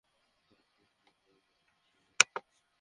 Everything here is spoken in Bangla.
থাম, আমাদের তোয়ালে কোথায়?